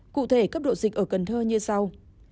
cụ thể cấp độ dịch ở cần thơ như sau